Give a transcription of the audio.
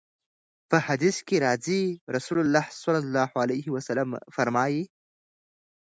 په حديث کي راځي: رسول الله صلی الله عليه وسلم فرمايلي: